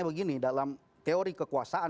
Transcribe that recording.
begini dalam teori kekuasaan